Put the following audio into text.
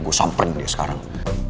gue sampen dia sekarang